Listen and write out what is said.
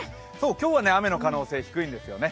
今日は雨の可能性、低いんですよね。